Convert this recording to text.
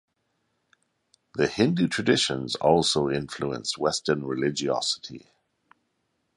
The Hindu traditions also influenced western religiosity.